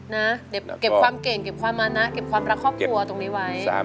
นะเก็บความเก่งเก็บความมานะเก็บความรักครอบครัวตรงนี้ไว้